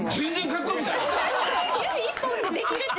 指１本でできるって。